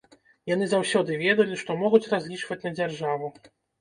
Яны заўсёды ведалі, што могуць разлічваць на дзяржаву.